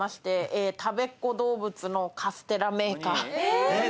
たべっ子どうぶつのカステラメーカー。